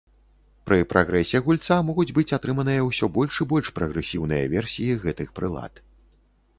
Пры прагрэсе гульца могуць быць атрыманыя ўсё больш і больш прагрэсіўныя версіі гэтых прылад.